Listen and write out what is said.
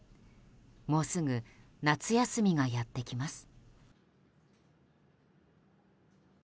もうすぐ夏休みがやってきます。